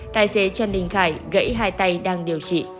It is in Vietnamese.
tài xế trần đình khải gãy hai tay đang điều trị